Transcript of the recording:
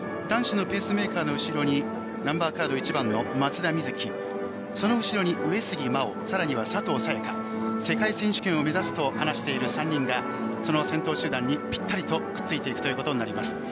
男子のペースメーカーの後ろにナンバーカード１番の松田瑞生その後ろに上杉真穂さらには佐藤早也伽世界選手権を目指すと話している３人がその先頭集団にぴったりとくっついていくということになります。